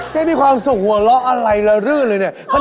มีความสุขหัวเราะอะไรละรื่นเลยเนี่ย